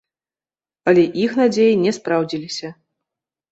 Але іх надзеі не спраўдзіліся.